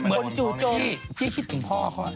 คนจู่จงพี่คิดถึงพ่อ